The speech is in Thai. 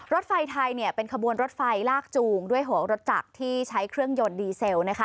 รถไฟไทยเป็นขบวนรถไฟลากจูงด้วยหัวรถจักรที่ใช้เครื่องยนต์ดีเซล